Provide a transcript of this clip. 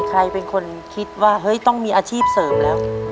ใครเป็นคนคิดว่าเฮ้ยต้องมีอาชีพเสริมแล้ว